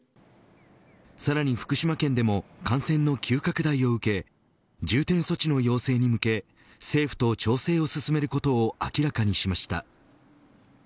さらに、福島県でも感染の急拡大を受け重点措置の要請に向け政府と調整を進めることを明らかにしました。